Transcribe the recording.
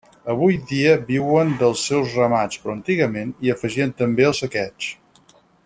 Avui dia viuen dels seus ramats però antigament hi afegien també el saqueig.